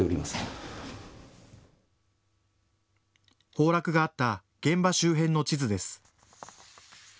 崩落があった現場周辺の地図です。